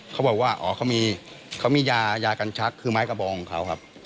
เขาบอกว่าอ๋อเขามียายากันชักคือไม้กระบองของเขาครับ